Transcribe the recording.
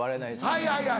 はいはいはい。